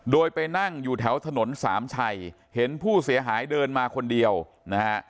โดยไปนั่งอยู่แถวถนนสามชัยเห็นผู้เสียหายเดินมาคนเดียวนะฮะ